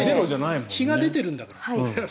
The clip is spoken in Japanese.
日が出てるんだから。